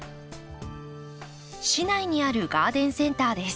市内にあるガーデンセンターです。